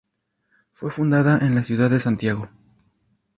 Fue fundada en la ciudad de Santiago.